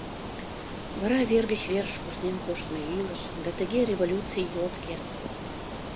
Вара вер гыч верыш куснен коштмо илыш, да тыге революций йотке.